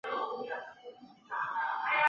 唐朝赐名李国昌。